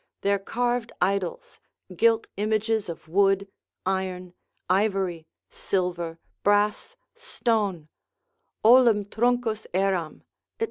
Their carved idols, gilt images of wood, iron, ivory, silver, brass, stone, olim truncus eram, &c.